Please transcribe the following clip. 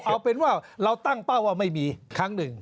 เอาเป็นว่าเราตั้งเป้าว่าไม่มีครั้งหนึ่ง